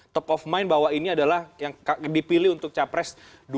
top of mind bahwa ini adalah yang dipilih untuk capres dua ribu sembilan belas